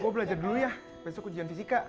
mau belajar dulu ya besok ujian fisika